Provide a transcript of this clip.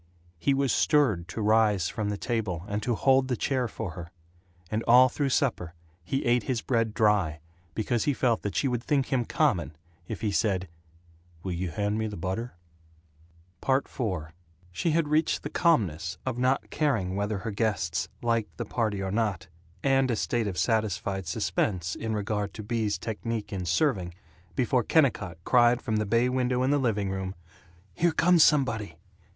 He was stirred to rise from the table and to hold the chair for her; and all through supper he ate his bread dry because he felt that she would think him common if he said "Will you hand me the butter?" IV She had reached the calmness of not caring whether her guests liked the party or not, and a state of satisfied suspense in regard to Bea's technique in serving, before Kennicott cried from the bay window in the living room, "Here comes somebody!"